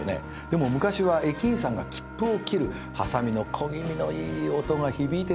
でも昔は駅員さんが切符を切るはさみの小気味のいい音が響いてたんですよ。